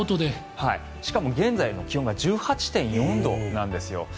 しかも現在の気温が１８．４度なんですよ。